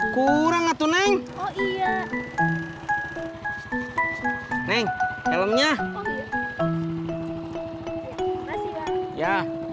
kurang atuh neng oh iya neng helmnya ya